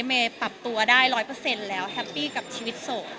เมย์ปรับตัวได้๑๐๐แล้วแฮปปี้กับชีวิตโศก